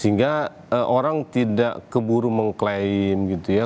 sehingga orang tidak keburu mengklaim gitu ya